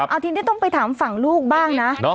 เอาทีนี้ต้องไปถามฝั่งลูกบ้างนะ